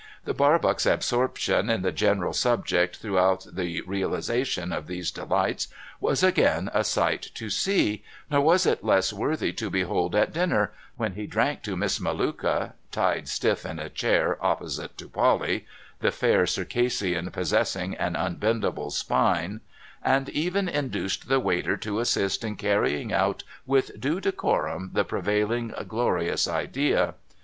The Bar box absorption in the general subject throughout the realisation of these delights was again a sight to see, nor was it less worthy to behold at dinner, when he drank to Miss Melluka, tied stiff in a chair opposite to Polly (the fair Circassian possessing an unbend able spine), and even induced the waiter to assist in carrying out with due decorum the prevailing glorious idea.